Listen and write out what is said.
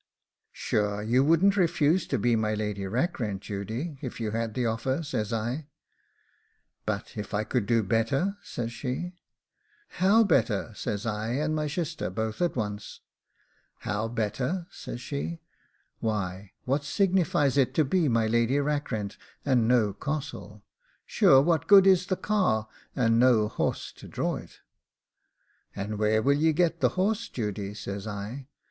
'Sure you wouldn't refuse to be my Lady Rackrent, Judy, if you had the offer?' says I. 'But if I could do better!' says she. 'How better?' says I and my shister both at once. 'How better?' says she. 'Why, what signifies it to be my Lady Rackrent and no castle? Sure what good is the car, and no horse to draw it?' 'And where will ye get the horse, Judy?' says I.